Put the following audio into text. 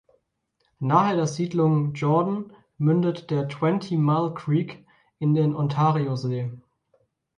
Nahe der Siedlung Jordan mündet der Twenty Mile Creek in den Ontariosee.